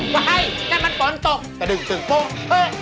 ไว้นั่นมันฝนตกสะดึงศึกปุ๊บเฮ้ย